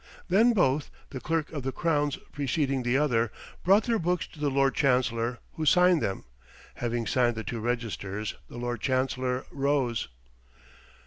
Then both the Clerk of the Crown preceding the other brought their books to the Lord Chancellor, who signed them. Having signed the two registers, the Lord Chancellor rose.